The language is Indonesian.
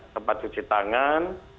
tempat cuci tangan